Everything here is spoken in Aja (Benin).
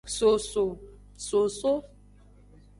Soso.